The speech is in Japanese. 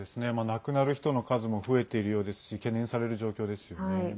亡くなる人の数も増えているようですし懸念される状況ですよね。